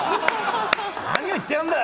何を言っているんだぁ！